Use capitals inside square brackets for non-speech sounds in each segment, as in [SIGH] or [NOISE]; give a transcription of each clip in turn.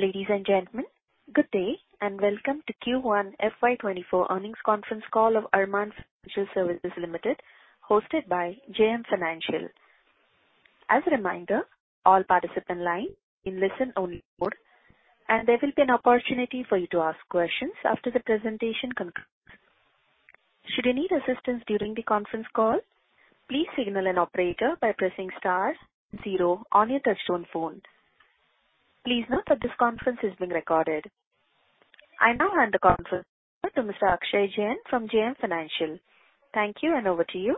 Ladies and gentlemen, good day, and welcome to first quarter FY 2024 earnings conference call of Arman Financial Services Limited, hosted by JM Financial. As a reminder, all participants line in listen-only mode, and there will be an opportunity for you to ask questions after the presentation concludes. Should you need assistance during the conference call, please signal an operator by pressing star zero on your touchtone phone. Please note that this conference is being recorded. I now hand the conference over to Mr. Akshay Jain from JM Financial. Thank you, and over to you.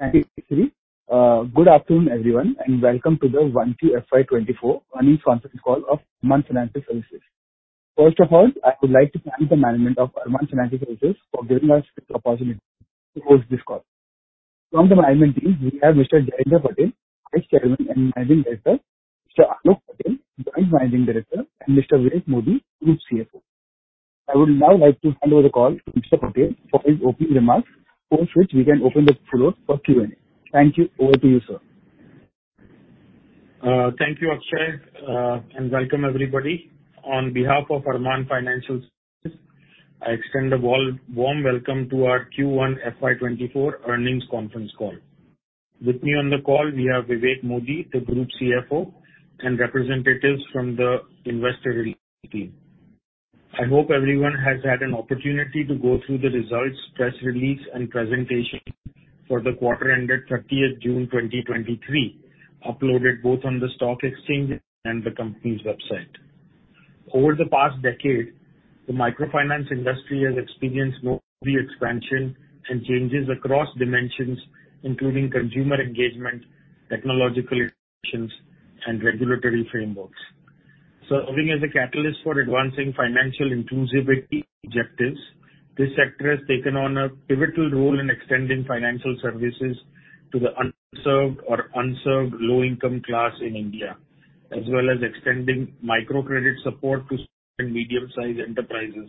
Thank you, good afternoon, everyone, and welcome to the first quarter FY 2024 earnings conference call of Arman Financial Services. First of all, I would like to thank the management of Arman Financial Services for giving us the opportunity to host this call. From the management team, we have Mr. Jayendra Patel, Vice Chairman and Managing Director, Mr. Aalok Patel, Joint Managing Director, and Mr. Vivek Modi, Group CFO. I would now like to hand over the call to Mr. Patel for his opening remarks, post which we can open the floor for Q&A. Thank you. Over to you, sir. Thank you, Akshay, and welcome, everybody. On behalf of Arman Financial Services Limited, I extend a warm, warm welcome to our first quarter FY 2024 earnings conference call. With me on the call, we have Vivek Modi, the Group CFO, and representatives from the investor team. I hope everyone has had an opportunity to go through the results, press release, and presentation for the quarter ended 30 June 2023, uploaded both on the stock exchange and the company's website. Over the past decade, the microfinance industry has experienced rapid expansion and changes across dimensions, including consumer engagement, technological solutions, and regulatory frameworks. Serving as a catalyst for advancing financial inclusivity objectives, this sector has taken on a pivotal role in extending financial services to the unserved or unserved low-income class in India, as well as extending microcredit support to small and medium-sized enterprises,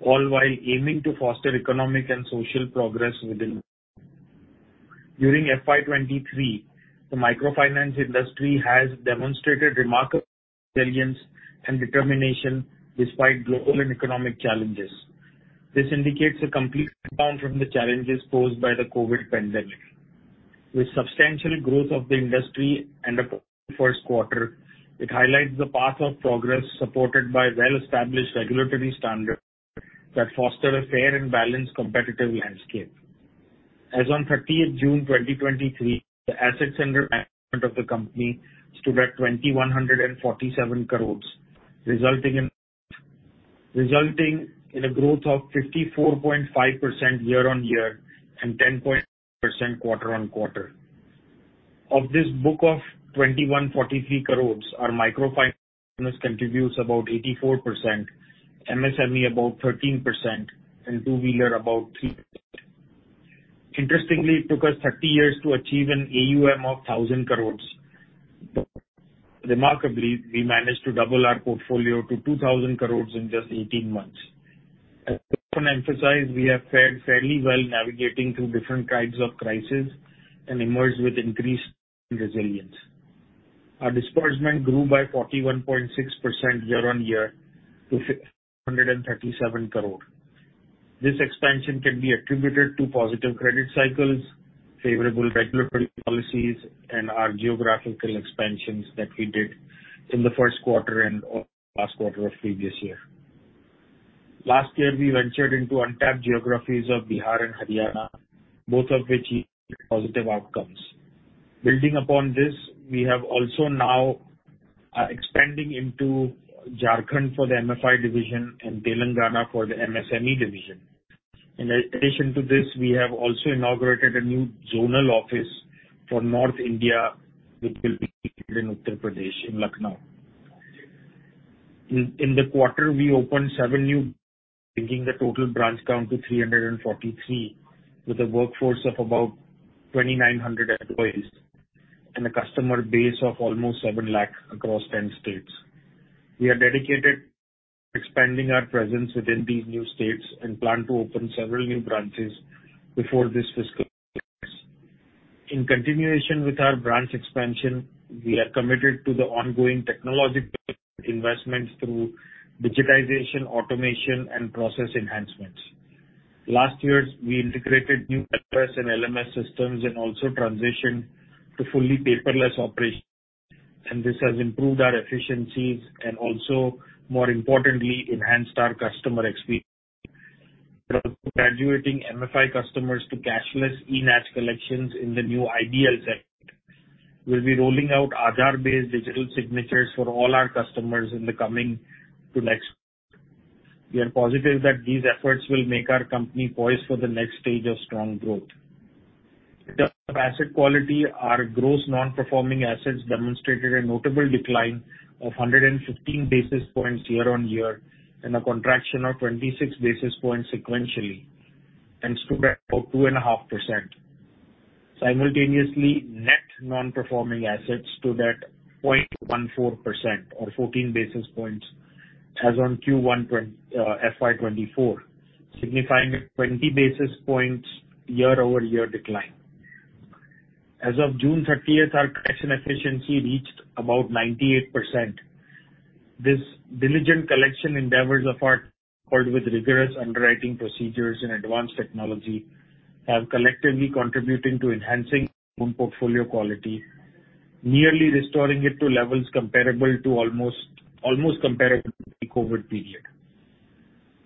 all while aiming to foster economic and social progress within. During FY 2023, the microfinance industry has demonstrated remarkable resilience and determination despite global and economic challenges. This indicates a complete rebound from the challenges posed by the COVID pandemic. With substantial growth of the industry and the first quarter, it highlights the path of progress, supported by well-established regulatory standards that foster a fair and balanced competitive landscape. As on 13 June 2023, the assets under management of the company stood at 2,147 crore, resulting in a growth of 54.5% year-on-year and 10 point % quarter-on-quarter. Of this book of 2,143 crore, our microfinance contributes about 84%, MSME about 13%, and two-wheeler about 3. Interestingly, it took us 30 years to achieve an AUM of 1,000 crore. Remarkably, we managed to double our portfolio to 2,000 crore in just 18 months. As often emphasized, we have fared fairly well navigating through different kinds of crises and emerged with increased resilience. Our disbursement grew by 41.6% year-on-year to 137 crore. This expansion can be attributed to positive credit cycles, favorable regulatory policies, and our geographical expansions that we did in the first quarter and last quarter of previous year. Last year, we ventured into untapped geographies of Bihar and Haryana, both of which positive outcomes. Building upon this, we have also now expanding into Jharkhand for the MFI division and Telangana for the MSME division. In addition to this, we have also inaugurated a new zonal office for North India, which will be in Uttar Pradesh, in Lucknow. In the quarter, we opened seven new, bringing the total branch down to 343, with a workforce of about 2,900 employees and a customer base of almost seven lakh across 10 states. We are dedicated to expanding our presence within these new states and plan to open several new branches before this fiscal year. In continuation with our branch expansion, we are committed to the ongoing technological investments through digitization, automation, and process enhancements. Last year, we integrated new LOS and LMS and also transitioned to fully paperless operations, and this has improved our efficiencies and also, more importantly, enhanced our customer experience. Graduating MFI customers to cashless e-NACH collections in the new ideal segment. We'll be rolling out Aadhaar-based digital signatures for all our customers in the coming to next. We are positive that these efforts will make our company poised for the next stage of strong growth. The asset quality, our gross non-performing assets demonstrated a notable decline of 115 basis points year-on-year, and a contraction of 26 basis points sequentially, and stood at about 2.5%. Simultaneously, net non-performing assets stood at 0.14% or 14 basis points as on first quarter FY 2024, signifying a 20 basis points year-over-year decline. As of 30 June 2023, our collection efficiency reached about 98%. This diligent collection endeavors of our, coupled with rigorous underwriting procedures and advanced technology, have collectively contributing to enhancing loan portfolio quality, nearly restoring it to levels comparable to almost comparable to the COVID period.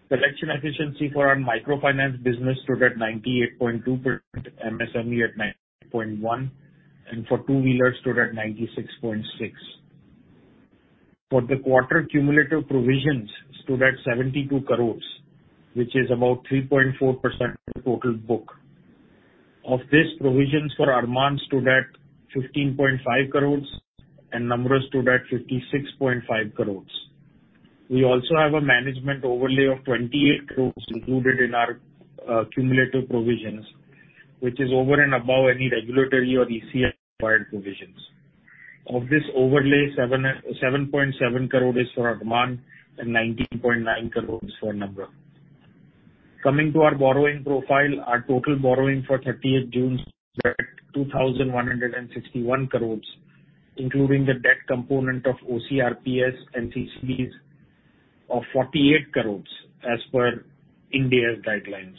Collection efficiency for our microfinance business stood at 98.2%, MSME at 90.1%, and for two-wheelers stood at 96.6%. For the quarter, cumulative provisions stood at 72 crore, which is about 3.4% of the total book. Of this, provisions for Arman stood at 15.5 crore, and Namra Finance stood at 56.5 crore. We also have a management overlay of 28 crore included in our cumulative provisions, which is over and above any regulatory or ECL required provisions. Of this overlay, 7.7 crore is for Arman and 19.9 crore for Namra Finance. Coming to our borrowing profile, our total borrowing for 30 June 2023 stood at 2,161 crore, including the debt component of OCRPS CCDs of 48 crore, as per Ind AS guidelines.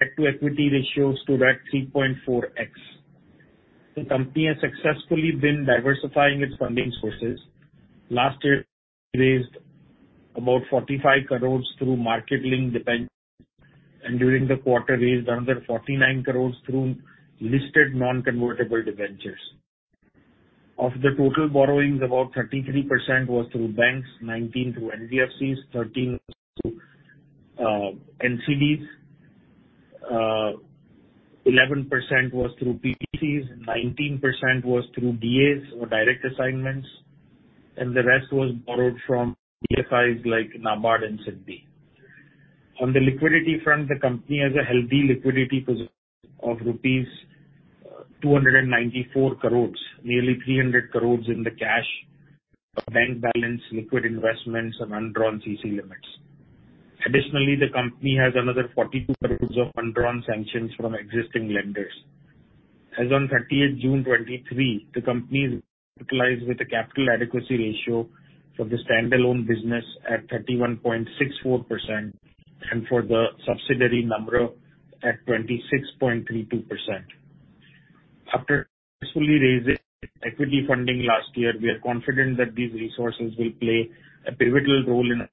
Debt-to-equity ratio stood at 3.4x. The company has successfully been diversifying its funding sources. Last year, it raised about 45 crore through Market Linked Debentures, and during the quarter raised another 49 crore through listed Non-Convertible Debentures. Of the total borrowings, about 33% was through banks, 19% through NBFCs, 13% was through NCDs, 11% was through PTCs, and 19% was through DAs or direct assignments, and the rest was borrowed from DFIs like NABARD and SIDBI. On the liquidity front, the company has a healthy liquidity position of rupees 294 crore, nearly 300 crore in the cash, bank balance, liquid investments, and undrawn CC limits. Additionally, the company has another 42 crore of undrawn sanctions from existing lenders. As on 30 June 2023, the company is capitalized with a capital adequacy ratio for the standalone business at 31.64% and for the subsidiary number at 26.32%. After successfully raising equity funding last year, we are confident that these resources will play a pivotal role in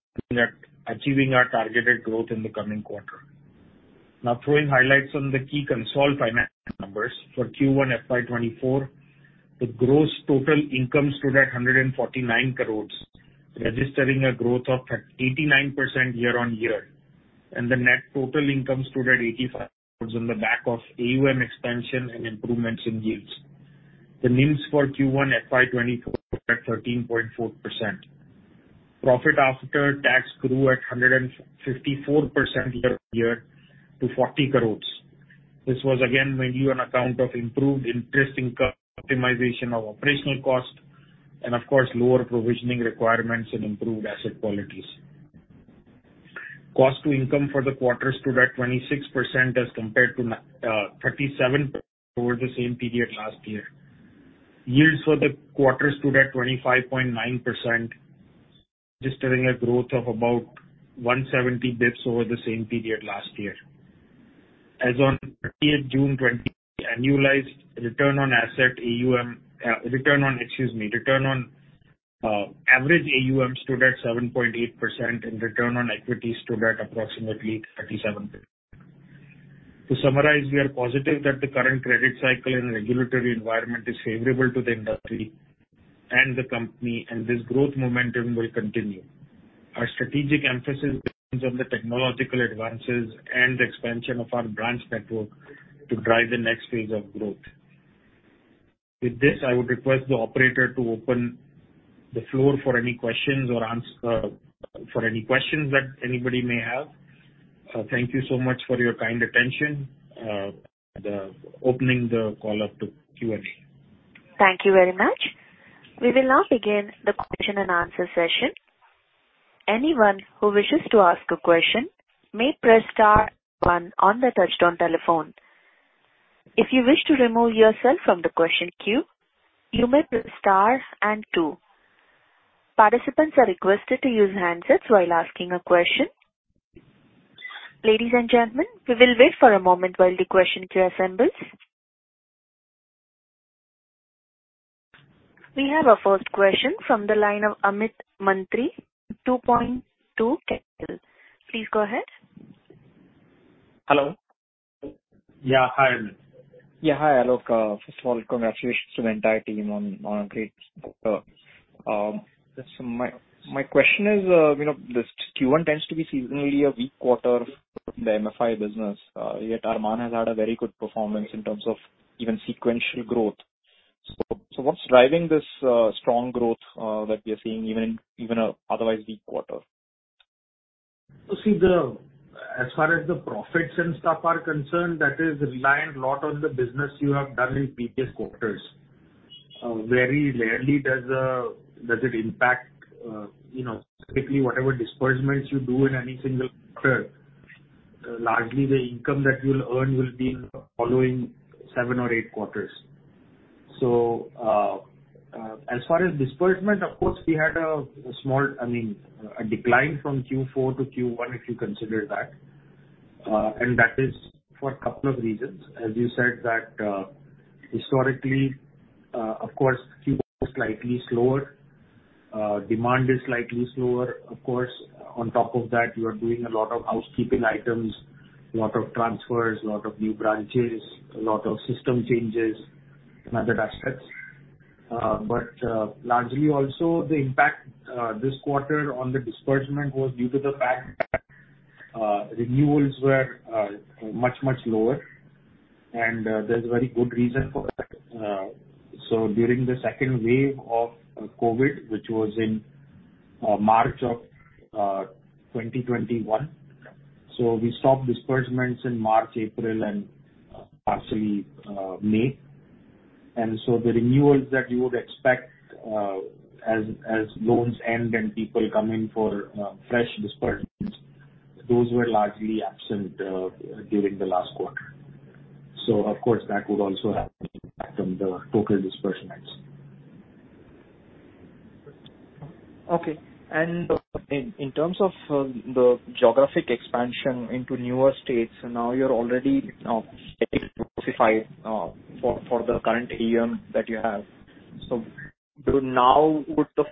achieving our targeted growth in the coming quarter. Now, throwing highlights on the key consolid finance numbers for first quarter FY 2024, the gross total income stood at 149 crore, registering a growth of 889% year-on-year, and the net total income stood at 85 crore on the back of AUM expansion and improvements in yields. The NIM for first quarter FY 2024 at 13.4%. Profit After Tax grew at 154% year-on-year to 40 crore. This was again mainly on account of improved interest income, optimization of operational cost, and of course, lower provisioning requirements and improved asset qualities. Cost to income for the quarter stood at 26% as compared to 37% over the same period last year. Yields for the quarter stood at 25.9%, registering a growth of about 170 bps over the same period last year. As on 30 June 2020, annualized return on asset, AUM, return on average AUM stood at 7.8%, and return on equity stood at approximately 37%. To summarize, we are positive that the current credit cycle and regulatory environment is favorable to the industry and the company, and this growth momentum will continue. Our strategic emphasis on the technological advances and expansion of our branch network to drive the next phase of growth. With this, I would request the operator to open the floor for any questions that anybody may have. Thank you so much for your kind attention. Opening the call up to Q&A. Thank you very much. We will now begin the question and answer session. Anyone who wishes to ask a question may press star one on the touchtone telephone. If you wish to remove yourself from the question queue, you may press star and two. Participants are requested to use handsets while asking a question. Ladies and gentlemen, we will wait for a moment while the question queue assembles. We have our first question from the line of Amit Mantri, 2Point2. Please go ahead. Hello. Yeah, hi, Amit. Yeah, hi, Aalok. first of all, congratulations to the entire team on, on a great quarter. My question is, you know, this first quarter tends to be seasonally a weak quarter for the MFI business, yet Arman has had a very good performance in terms of even sequential growth. So what's driving this strong growth that we are seeing even in, even a otherwise weak quarter? See the, as far as the profits and stuff are concerned, that is reliant a lot on the business you have done in previous quarters. Very rarely does it impact, you know, typically, whatever disbursements you do in any single quarter, largely the income that you'll earn will be in the following seven or eight quarters. As far as disbursement, of course, we had a, a small, I mean, a decline from fourth quarter to first quarter, if you consider that. And that is for two reasons. As you said, that, historically, of course, fourth quarter is slightly slower, demand is slightly slower. Of course, on top of that, you are doing a lot of housekeeping items, a lot of transfers, a lot of new branches, a lot of system changes and other aspects. Largely also the impact, this quarter on the disbursement was due to the fact that, renewals were much, much lower, and there's a very good reason for that. During the second wave of COVID, which was in March of 2021, so we stopped disbursements in March, April, and partially, May. The renewals that you would expect, as, as loans end and people come in for, fresh disbursements, those were largely absent, during the last quarter. Of course, that would also have an impact on the total disbursements. Okay. In, in terms of the geographic expansion into newer states, now you're already, you know, specified for, for the current AUM that you have. Do now would the...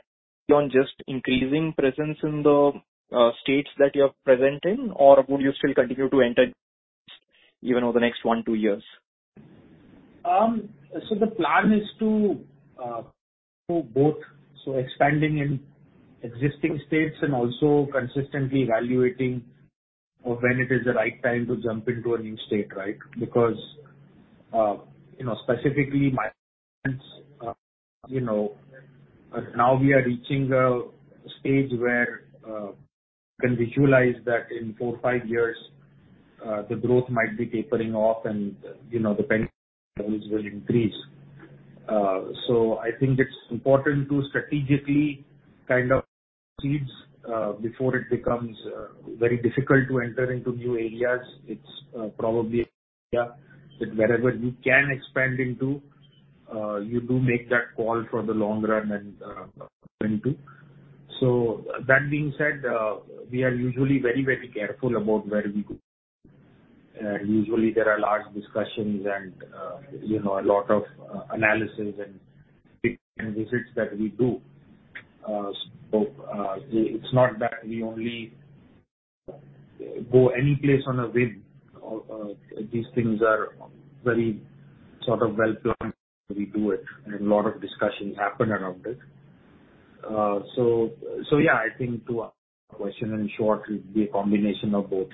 on just increasing presence in the states that you're present in, or would you still continue to enter even over the next one, two years? The plan is to do both. Expanding in existing states and also consistently evaluating when it is the right time to jump into a new state, right? Because, you know, specifically my clients, you know, now we are reaching a stage where we can visualize that in four, five years, the growth might be tapering off and, you know, the pension levels will increase. I think it's important to strategically kind of seeds before it becomes very difficult to enter into new areas. It's probably, yeah, that wherever you can expand into, you do make that call for the long run and into. That being said, we are usually very, very careful about where we go. large discussions and, you know, a lot of analysis and visits that we do. It's not that we only go any place on a whim. These things are very sort of well planned. We do it, and a lot of discussions happen around it. So yeah, I think to answer your question, in short, it will be a combination of both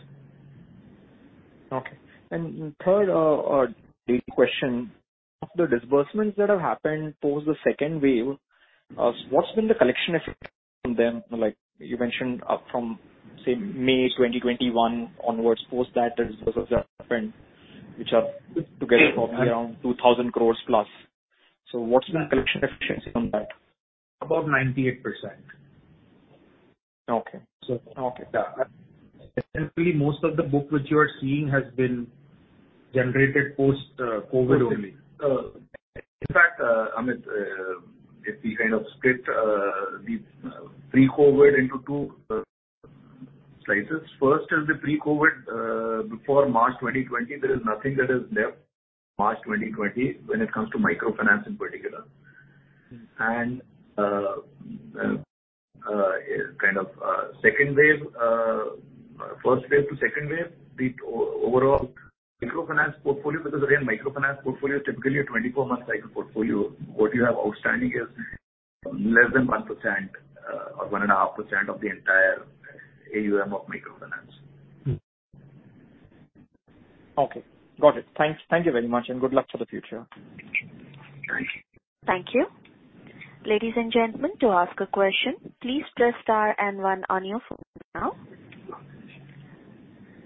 Okay. Third, question. The disbursements that have happened post the second wave, what's been the collection effect from them? Like you mentioned, from, say, May 2021 onwards, post that, the disbursements that happened, which are together around 2,000 crore plus. What's been the collection efficiency on that? About 98%. Okay. okay. Essentially, most of the book which you are seeing has been generated post COVID only. In fact, Amit, if we kind of split the pre-COVID into two slices. First is the pre-COVID, before March 2020, there is nothing that is left March 2020 when it comes to Microfinance in particular. kind of, second wave, first wave to second wave, the overall Microfinance portfolio, because again, Microfinance portfolio is typically a 24-month cycle portfolio. What you have outstanding is less than 1%, or 1.5% of the entire AUM of Microfinance. Mm-hmm. Okay, got it. Thanks. Thank you very much, and good luck for the future. Thank you. Thank you. Ladies and gentlemen, to ask a question, please press star and one on your phone now.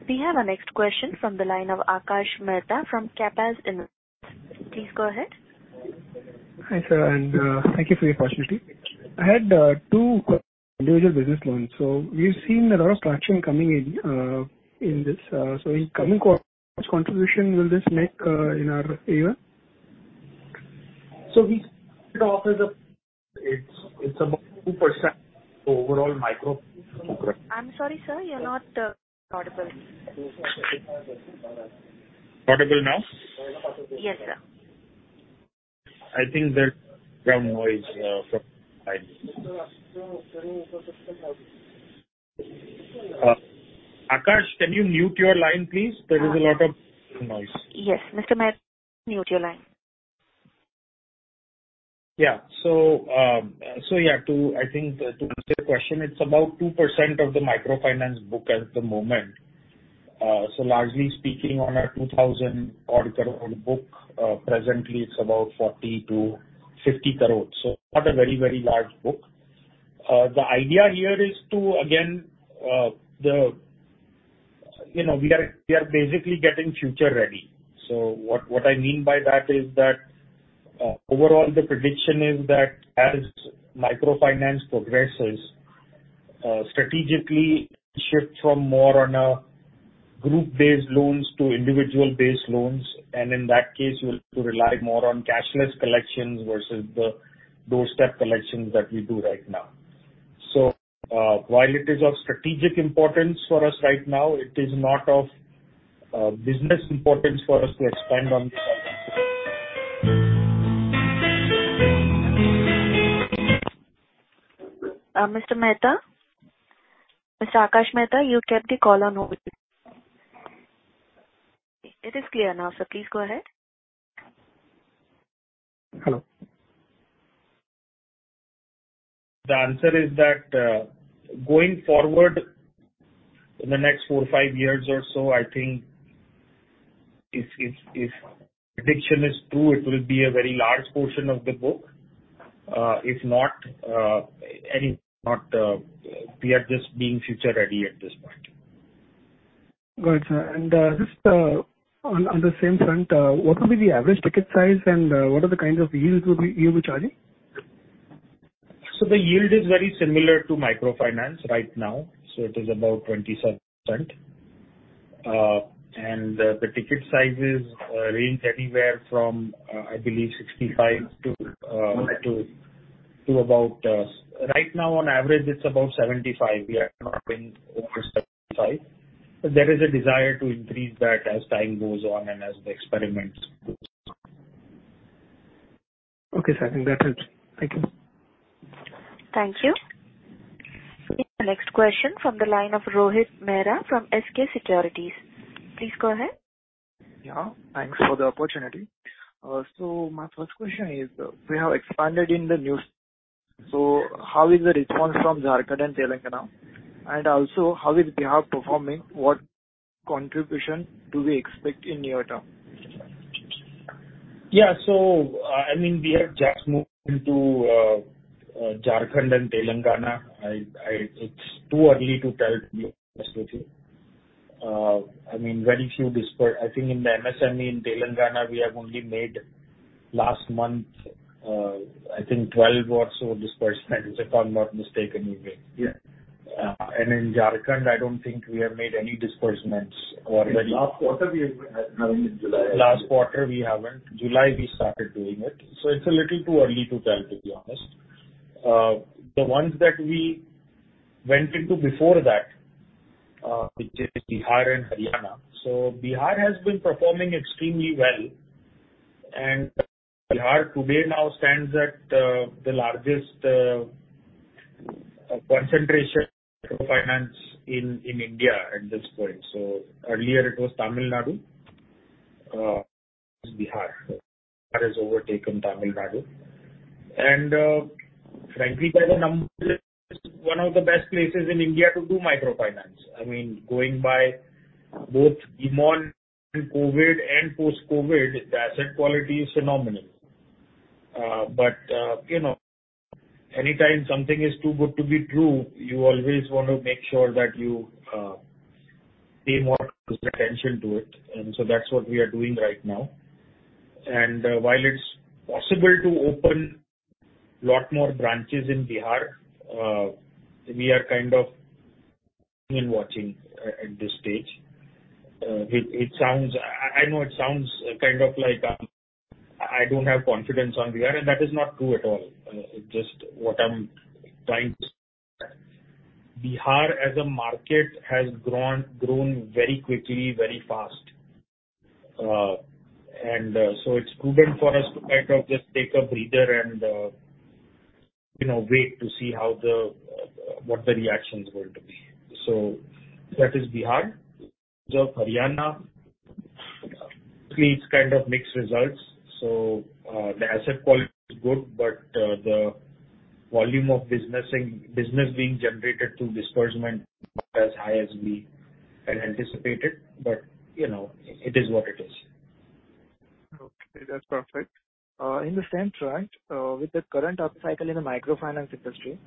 We have our next question from the line of Akash Mehta from Capas Investments. Please go ahead. Hi, sir, and thank you for your opportunity. I had two Individual Business Loans. We've seen a lot of traction coming in, in this... In coming quarters, contribution will this make in our AUM? We offer the. It's about 2% overall micro... [INAUDIBLE] I'm sorry, sir, you're not audible. Audible now? Yes, sir. I think there's some noise, from my end... [INAUDIBLE] Akash, can you mute your line, please? There is a lot of noise. Yes, Mr. Mehta, mute your line. Yeah. I think to answer your question, it's about 2% of the microfinance book at the moment. Largely speaking, on our 2,000 crore book, presently it's about 40 to 50 crore. Not a very, very large book. The idea here is to, again, you know, we are, we are basically getting future ready. What, what I mean by that is that, overall, the prediction is that as microfinance progresses, strategically shifts from more on a group-based loans to individual-based loans. In that case, we'll rely more on cashless collections versus the doorstep collections that we do right now. While it is of strategic importance for us right now, it is not of business importance for us to expand on this. Mr. Mehta? Mr. Akash Mehta, you kept the call on hold. It is clear now, sir. Please go ahead. Hello. The answer is that, going forward in the next four, five years or so, I think if, if, if prediction is true, it will be a very large portion of the book. If not, any, not, we are just being future ready at this point. Got it, sir. Just, on, on the same front, what will be the average ticket size, and what are the kinds of yields you will be charging? The yield is very similar to microfinance right now, so it is about 27%. The ticket sizes range anywhere from, I believe 65 to about. Right now, on average, it's about 75. We are knocking over 75. There is a desire to increase that as time goes on and as the experiments goes. Okay, sir. I think that helps. Thank you. Thank you. The next question from the line of Rohit Mehra from SK Securities. Please go ahead. Yeah, thanks for the opportunity. My first question is, we have expanded in the news. How is the response from Jharkhand and Telangana? Also, how is Bihar performing? What contribution do we expect in near term? Yeah. I mean, we have just moved into Jharkhand and Telangana. It's too early to tell, to be honest with you. I mean, very few. I think in the MSME in Telangana, we have only made last month, I think 12 or so disbursements, if I'm not mistaken, anyway. Yeah. In Jharkhand, I don't think we have made any disbursements or any-. Last quarter, we have had none in July. Last quarter, we haven't. July, we started doing it. It's a little too early to tell, to be honest. The ones that we went into before that, which is Bihar and Haryana. Bihar has been performing extremely well, and Bihar today now stands at the largest concentration of finance in India at this point. Earlier it was Tamil Nadu, Bihar. Bihar has overtaken Tamil Nadu. Frankly, by the numbers, one of the best places in India to do microfinance. I mean, going by both pre-COVID and post-COVID, the asset quality is phenomenal. You know, anytime something is too good to be true, you always want to make sure that you pay more attention to it. That's what we are doing right now. While it's possible to open a lot more branches in Bihar, we are kind of in watching at this stage. It, it sounds... I know it sounds kind of like, I don't have confidence on Bihar, and that is not true at all. Just what I'm trying to say, Bihar, as a market, has grown, grown very quickly, very fast. It's prudent for us to kind of just take a breather and, you know, wait to see how the what the reaction is going to be. That is Bihar. Haryana, it's kind of mixed results. The asset quality is good, the volume of business in, business being generated through disbursement is not as high as we had anticipated. You know, it is what it is. Okay, that's perfect. In the same front, with the current upcycle in the microfinance industry,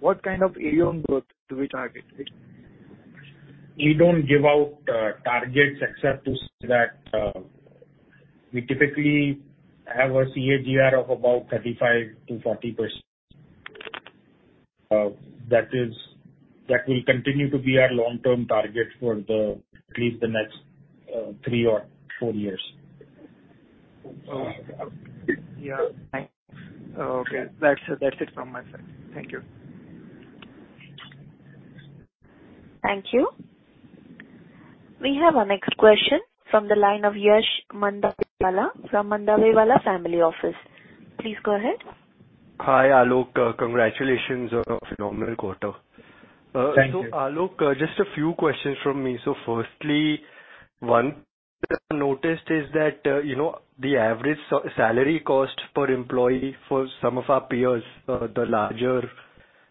what kind of AUM growth do we target? We don't give out targets except to say that we typically have a CAGR of about 35% to 40%. That will continue to be our long-term target for the, at least the next, three or four years. Yeah. Thanks. Okay. That's, that's it from my side. Thank you. Thank you. We have our next question from the line of Yash Mandawewala from Mandawewala Family Office. Please go ahead. Hi, Aalok. Congratulations on a phenomenal quarter. Thank you. Aalok, just a few questions from me. Firstly, one, noticed is that, you know, the average salary cost per employee for some of our peers, the larger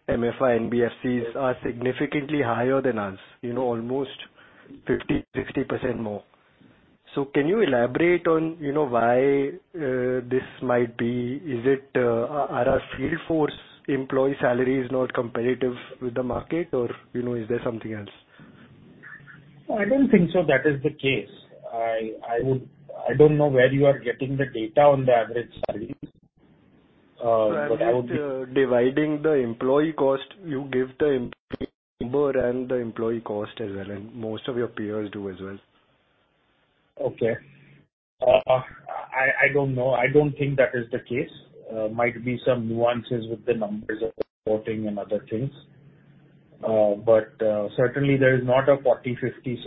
MFI, NBFCs, are significantly higher than ours, you know, almost 50% to 60% more. Can you elaborate on, you know, why this might be? Is it, are our field force employee salary is not competitive with the market, or, you know, is there something else? I don't think so that is the case. I don't know where you are getting the data on the average salary, but I would be... [CROSSTALK] Dividing the employee cost. You give the number and the employee cost as well. Most of your peers do as well. Okay. I don't know. I don't think that is the case. Might be some nuances with the numbers of reporting and other things. But, certainly there is not a 40%, 50%,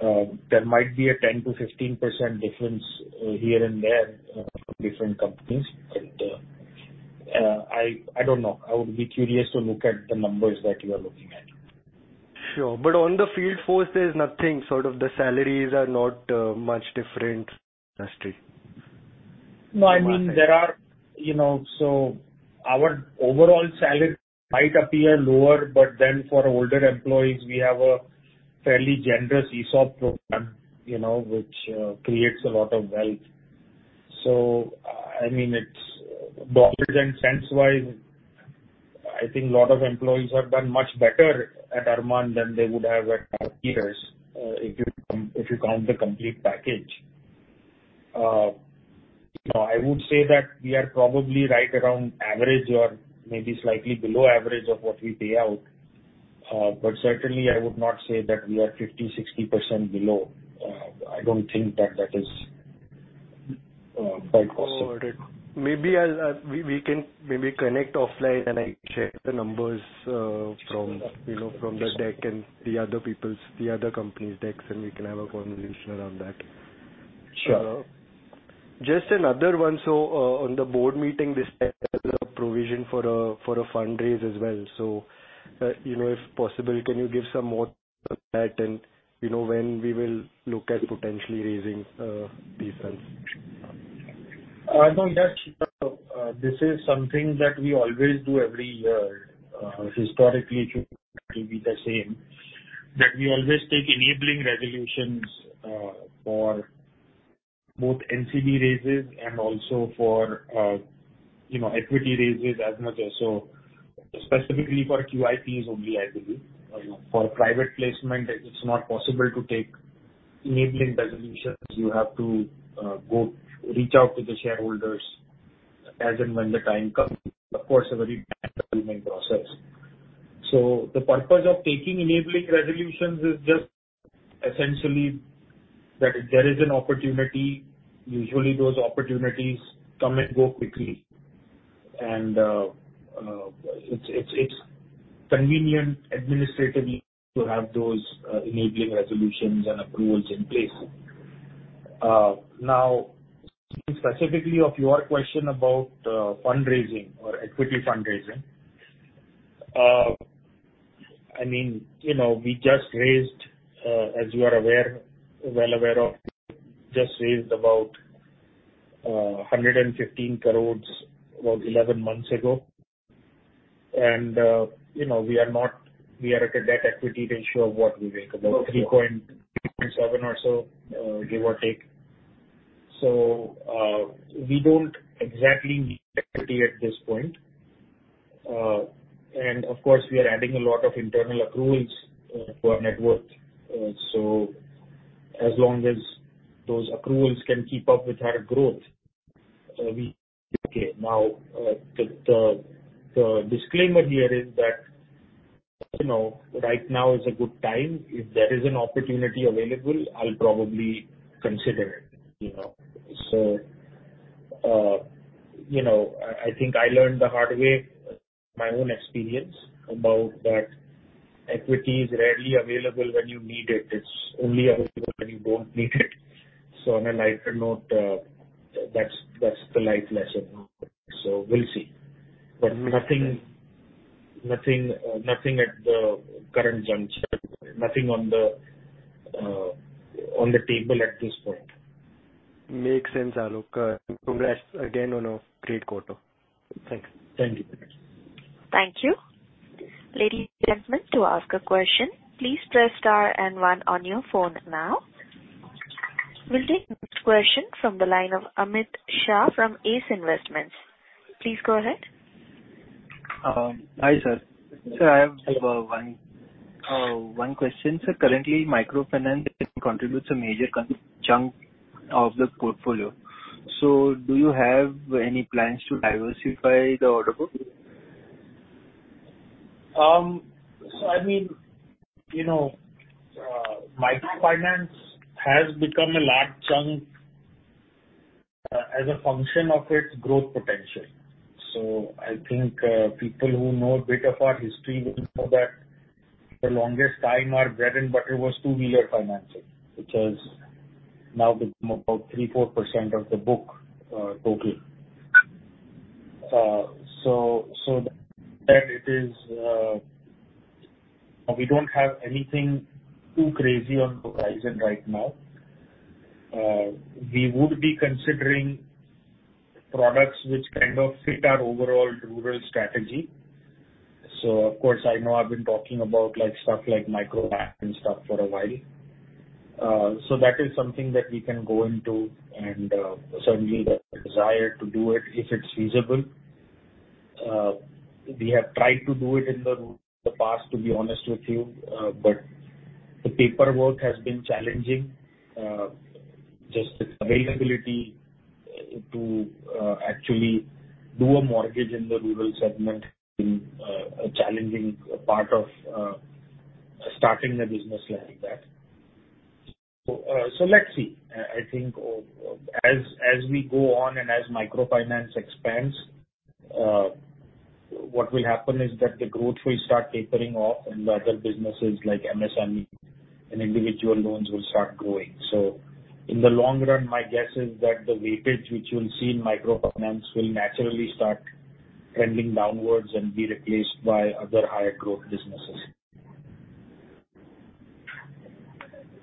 60%. There might be a 10% to 15% difference, here and there from different companies, but, I don't know. I would be curious to look at the numbers that you are looking at. Sure. On the field force, there's nothing, sort of the salaries are not much different industry. No, I mean, there are, you know, our overall salary might appear lower, but then for older employees, we have a fairly generous ESOP program, you know, which creates a lot of wealth. I mean, it's broader than sense-wise. I think a lot of employees have done much better at Arman than they would have at our peers, if you, if you count the complete package. No, I would say that we are probably right around average or maybe slightly below average of what we pay out, but certainly I would not say that we are 50% to 60% below. I don't think that that is quite possible. All right. Maybe I'll, we, we can maybe connect offline, and I share the numbers, from, you know, from the deck and the other people's, the other company's decks, and we can have a conversation around that. Sure. Just another one. On the board meeting this time, a provision for a, for a fundraise as well. You know, if possible, can you give some more on that? And, you know, when we will look at potentially raising, these funds? I know that this is something that we always do every year. Historically, it will be the same, that we always take enabling resolutions for both NCD raises and also for, you know, equity raises as much as so specifically for QIPs only, I believe. You know, for private placement, it's not possible to take enabling resolutions. You have to go reach out to the shareholders as and when the time comes. Of course, a very time-consuming process. The purpose of taking enabling resolutions is just essentially that if there is an opportunity, usually those opportunities come and go quickly. It's, it's, it's convenient administratively to have those enabling resolutions and approvals in place. Now, specifically of your question about fundraising or equity fundraising, I mean, you know, we just raised, as you are aware, well aware of, just raised about 115 crore about 11 months ago. You know, we are not... We are at a debt equity ratio of what we make, about 3.7 or so, give or take. We don't exactly need equity at this point. Of course, we are adding a lot of internal accruals to our net worth. As long as those accruals can keep up with our growth, we okay. Now, the, the, the disclaimer here is that, you know, right now is a good time. If there is an opportunity available, I'll probably consider it, you know. You know, I, I think I learned the hard way, my own experience about that equity is rarely available when you need it. It's only available when you don't need it. On a lighter note, that's, that's the life lesson. We'll see. Nothing, nothing, nothing at the current juncture. Nothing on the, on the table at this point. Makes sense, Aalok. congrats again on a great quarter. Thanks. Thank you. Thank you. Ladies and gentlemen, to ask a question, please press star and one on your phone now. We'll take next question from the line of Amit Shah from Ace Investments. Please go ahead. Hi, sir. Sir, I have one question. Sir, currently, microfinance contributes a major chunk of the portfolio. Do you have any plans to diversify the order book? I mean, you know, microfinance has become a large chunk, as a function of its growth potential. I think, people who know a bit of our history will know that the longest time our bread and butter was two-wheeler financing, which has now become about 3%, 4% of the book, total. That it is, we don't have anything too crazy on the horizon right now. We would be considering products which kind of fit our overall rural strategy. Of course, I know I've been talking about, like, stuff like micro bank and stuff for a while. That is something that we can go into, and, certainly the desire to do it if it's feasible. We have tried to do it in the, the past, to be honest with you, but the paperwork has been challenging. Just its availability to actually do a mortgage in the rural segment has been a, a challenging part of starting a business like that. Let's see. I think of, as, as we go on and as microfinance expands, what will happen is that the growth will start tapering off, and the other businesses like MSME and individual loans will start growing. In the long run, my guess is that the weightage which you will see in microfinance will naturally start trending downwards and be replaced by other higher growth businesses.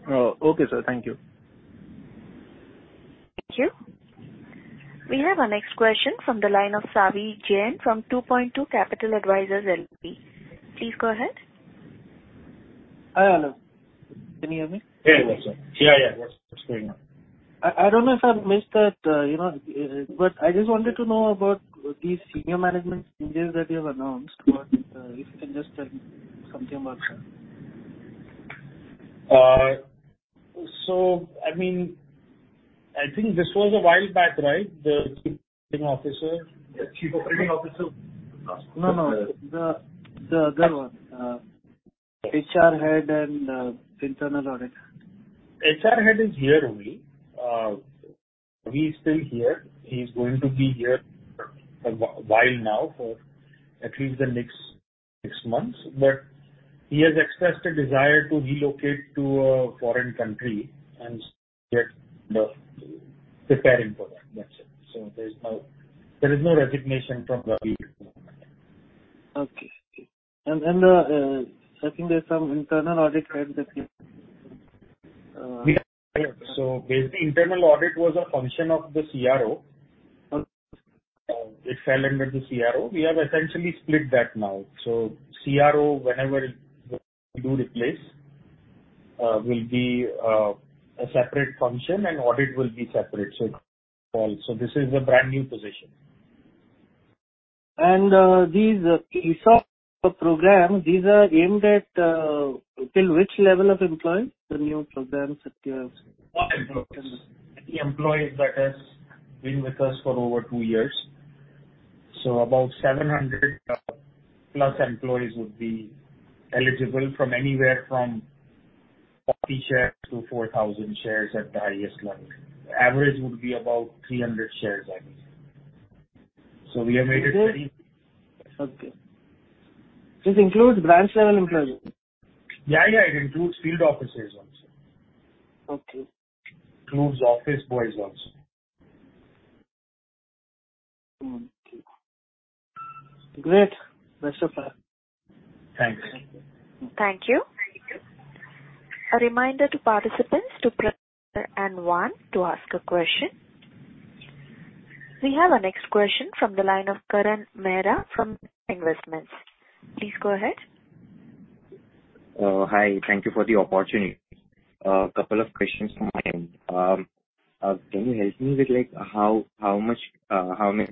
Okay, sir. Thank you. Thank you. We have our next question from the line of Savi Jain from 2Point2 Capital Advisors LLP. Please go ahead. Hi, Anu. Can you hear me? Very well, sir. Yeah, yeah. What's, what's going on? I don't know if I missed that, you know, but I just wanted to know about these senior management changes that you have announced. What, if you can just tell me something about that? I mean, I think this was a while back, right? The Chief Operating Officer. Yes, Chief Operating Officer. No, no. The, the other one, HR head and internal audit. HR head is here only. He's still here. He's going to be here for a while now, for at least the next six months. He has expressed a desire to relocate to a foreign country preparing for that. That's it. There's no, there is no resignation from Ravi at the moment. Okay. Then, I think there's some internal audit head that he... Basically, internal audit was a function of the CRO. Okay. It fell under the CRO. We have essentially split that now. CRO, whenever we do replace, will be a separate function and audit will be separate. This is a brand-new position. These ESOP program, these are aimed at, till which level of employees, the new programs that you have? All employees. The employees that has been with us for over two years. About 700 plus employees would be eligible from anywhere from 50 shares to 4,000 shares at the highest level. The average would be about 300 shares, I guess. We have made it very... [CROSSTALK] Okay. This includes branch level employees? Yeah, yeah, it includes field officers also. Okay. Includes office boys also. Mm. Great. Best of luck. Thanks. Thank you. A reminder to participants to press and one to ask a question. We have our next question from the line of Karan Mehra from Investments. Please go ahead. Hi, thank you for the opportunity. A couple of questions from my end. Can you help me with, like, how many customers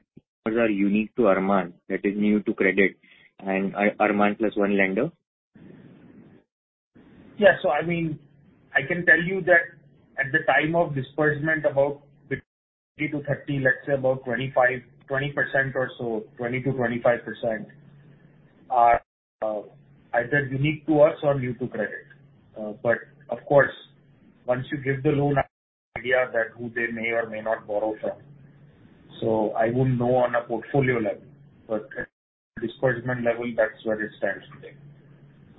are unique to Arman that is new to credit and Arman plus one lender? Yeah. I mean, I can tell you that at the time of disbursement, about 20% to 30%, let's say about 25%, 20% or so, 20% to 25% are either unique to us or new to credit. But of course, once you give the loan idea that who they may or may not borrow from. I wouldn't know on a portfolio level, but disbursement level, that's where it stands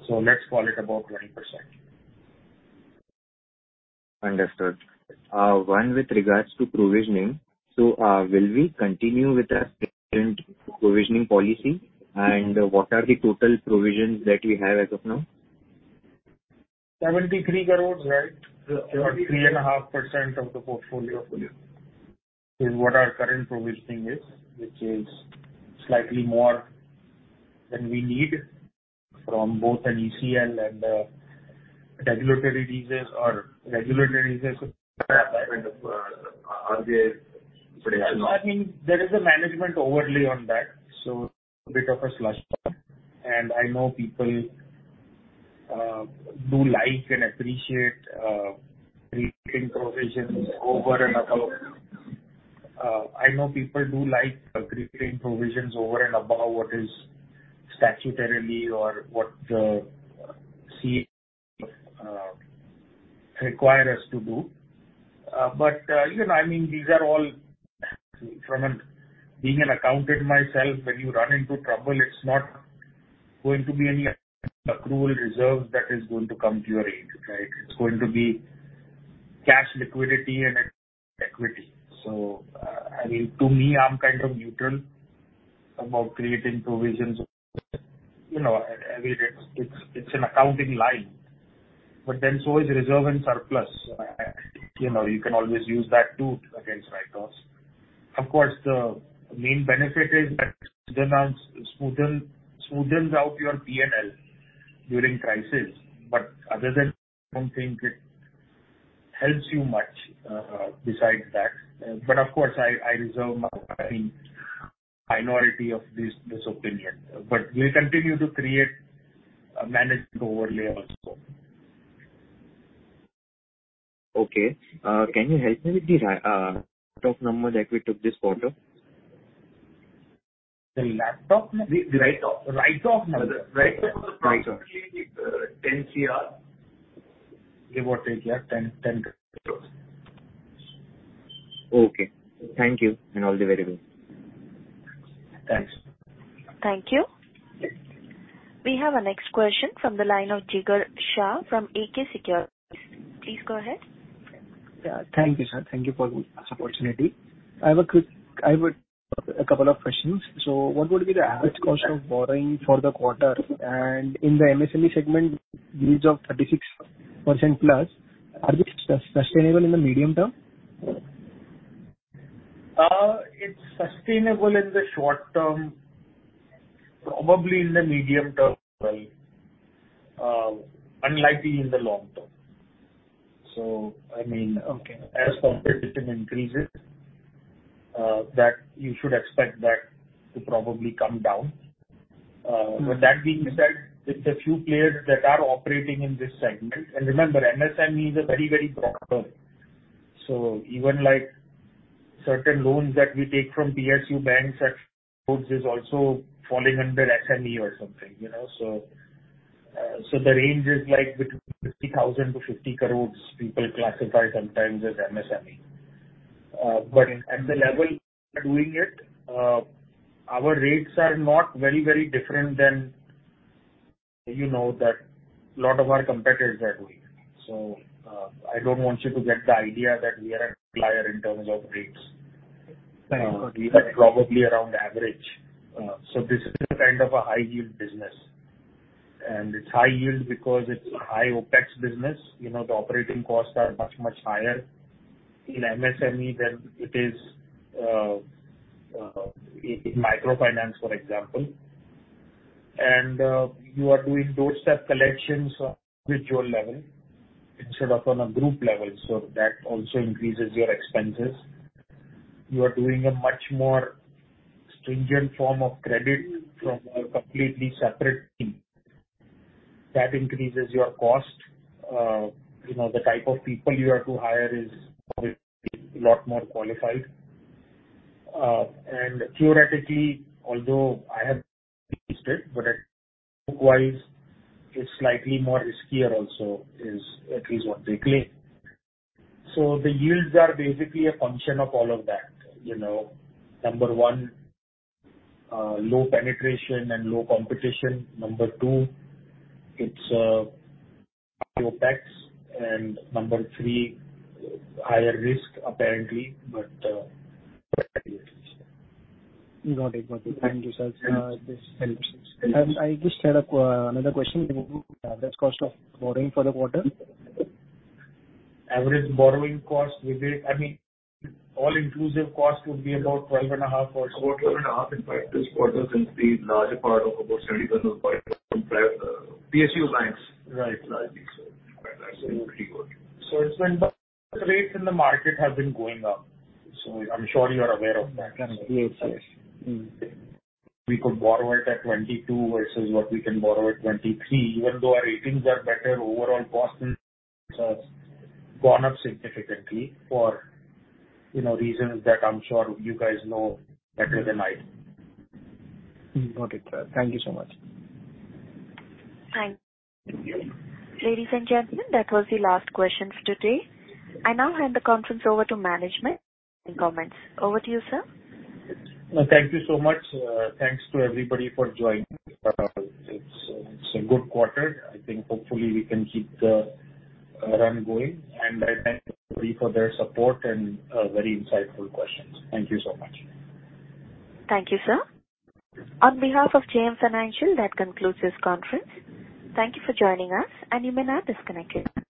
today. Let's call it about 20%. Understood. one, with regards to provisioning, will we continue with our current provisioning policy? What are the total provisions that we have as of now? 73 crore, right? 3.5% of the portfolio is what our current provisioning is, which is slightly more than we need from both an ECL and regulatory reasons. I mean, there is a management overlay on that, so bit of a slush fund. I know people do like and appreciate pre-claim provisions over and above. I know people do like pre-claim provisions over and above what is statutorily or what, see, require us to do. You know, I mean, these are all Being an accountant myself, when you run into trouble, it's not going to be any accrual reserve that is going to come to your aid, right? It's going to be cash liquidity and equity. I mean, to me, I'm kind of neutral.... about creating provisions, you know, I mean, it's an accounting line, but then so is reserve and surplus. You know, you can always use that too, against write-offs. Of course, the main benefit is that it smoothens out your PNL during crisis. Other than that, I don't think it helps you much besides that. Of course, I reserve my opinion, minority of this opinion. We continue to create a management overlay also. Okay. can you help me with the [INAUDIBLE] number that we took this quarter? The laptop number? The write-off. Write-off number. Write-off. Write-off is INR 10 crore. About INR 10 crore, INR 10, INR 10 crore. Okay. Thank you, and all the very best. Thanks. Thank you. We have our next question from the line of Jigar Shah from AK Securities. Please go ahead. Yeah, thank you, sir. Thank you for this opportunity. I have a couple of questions. What would be the average cost of borrowing for the quarter? In the MSME segment, yields of 36%+, are these sustainable in the medium term? It's sustainable in the short term, probably in the medium term as well, unlikely in the long term. Okay. As competition increases, that you should expect that to probably come down. That being said, it's a few players that are operating in this segment. Remember, MSMEs are very, very broad term. Even like certain loans that we take from PSU banks and such is also falling under SME or something, you know. The range is like between 50,000 to 50 crore, people classify sometimes as MSME. At the level we are doing it, our rates are not very, very different than, you know, that a lot of our competitors are doing. I don't want you to get the idea that we are an outlier in terms of rates. Thank you. We are probably around average. This is a kind of a high-yield business, and it's high yield because it's a high OpEx business. You know, the operating costs are much, much higher in MSME than it is in microfinance, for example. You are doing door step collections on individual level instead of on a group level, that also increases your expenses. You are doing a much more stringent form of credit from a completely separate team. That increases your cost. You know, the type of people you have to hire is probably a lot more qualified. Theoretically, although I have not used it, book-wise, it's slightly more riskier also, is at least what they claim. The yields are basically a function of all of that, you know. Number one, low penetration and low competition. number two, it's, high OpEx. number three, higher risk, apparently, but... [CROSSTALK] Got it. Thank you, sir. This helps. I just had another question, that cost of borrowing for the quarter? Average borrowing cost will be, I mean, all inclusive cost would be about 12.5 or so. About 12.5. In fact, this quarter since the larger part of about 70% of our PSU banks. Right. Right. Pretty good. It's when the rates in the market have been going up, I'm sure you are aware of that. Yes, yes. Mm-hmm. We could borrow it at 2022 versus what we can borrow at 2023. Even though our ratings are better, overall costs have gone up significantly for, you know, reasons that I'm sure you guys know better than I do. Got it, sir. Thank you so much. Thank you. Ladies and gentlemen, that was the last question for today. I now hand the conference over to management for closing comments. Over to you, sir. Thank you so much. Thanks to everybody for joining. It's a good quarter. I think hopefully we can keep the run going. I thank everybody for their support and very insightful questions. Thank you so much. Thank you, sir. On behalf of JM Financial, that concludes this conference. Thank you for joining us, and you may now disconnect your phone.